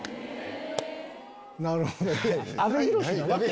なるほどね。